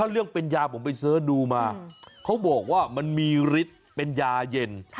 เรื่องเป็นยาผมไปเสิร์ชดูมาเขาบอกว่ามันมีฤทธิ์เป็นยาเย็น